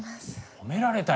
褒められたよ！